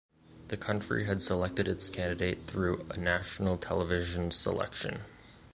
The country had selected its candidate through a national television selection.